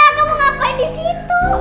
wah ya kamu ngapain di situ